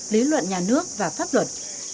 lý luận nhà nước và pháp luật